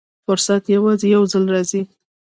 فرصت یوازې یو ځل راځي.